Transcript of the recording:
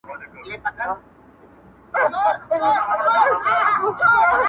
o ها ښه دريه چي ئې وهل، هغې هم گوز واچاوه.